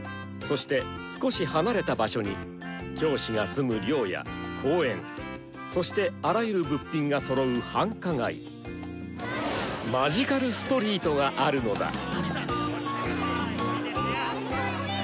そして少し離れた場所に教師が住む寮や公園そしてあらゆる物品がそろう繁華街「マジカルストリート」があるのだ。